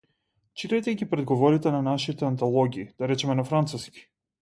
Читајте ги предговорите на нашите антологии, да речеме на француски.